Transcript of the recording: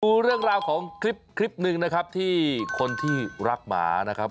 ดูเรื่องราวของคลิปคลิปหนึ่งนะครับที่คนที่รักหมานะครับ